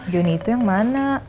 joni itu yang mana